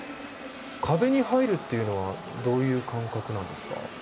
壁に入るというのはどういう感覚なんですか？